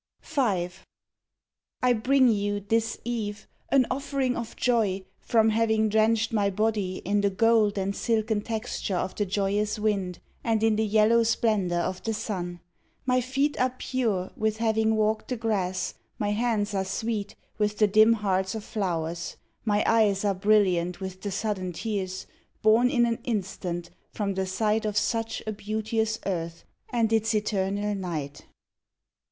V I bring you, this eve, an offering of joy From having drenched my body in the gold And silken texture of the joyous wind And in the yellow splendour of the sun; My feet are pure with having walked the grass, My hands are sweet with the dim hearts of flowers, My eyes are brilliant with the sudden tears Born in an instant from the sight of such A beauteous earth and its eternal night.